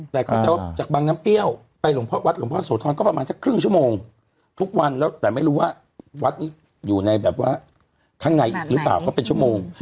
แต่ก็จะจากบางน้ำเปรี้ยวไปหลวงพ่อวัดหลวงพ่อโสธรก็ประมาณสักครึ่งชั่วโมงทุกวันแล้วแต่ไม่รู้ว่าวัดนี้อยู่ในแบบว่าข้างในอีกหรือเปล่าก็เป็นชั่วโมง